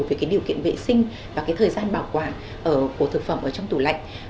về cái điều kiện vệ sinh và cái thời gian bảo quản của thực phẩm ở trong tủ lạnh